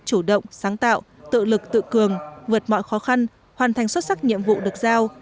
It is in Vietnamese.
chủ động sáng tạo tự lực tự cường vượt mọi khó khăn hoàn thành xuất sắc nhiệm vụ được giao